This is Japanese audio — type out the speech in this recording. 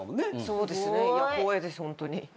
そうですね光栄ですホントに。